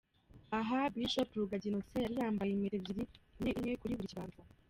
Aha Bishop Rugagi Innocent yari yambaye impeta ebyiri imwe imwe kuri buri kiganza .